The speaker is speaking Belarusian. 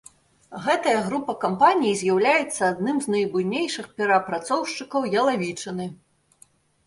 Гэтая група кампаній з'яўляецца адным з найбуйнейшых перапрацоўшчыкаў ялавічыны.